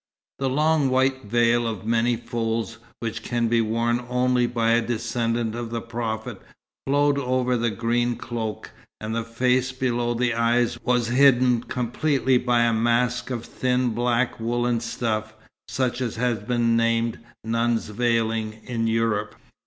The long white veil of many folds, which can be worn only by a descendant of the Prophet, flowed over the green cloak; and the face below the eyes was hidden completely by a mask of thin black woollen stuff, such as has been named "nun's veiling" in Europe.